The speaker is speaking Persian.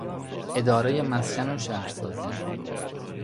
ادارهٔ مسکن و شهرسازی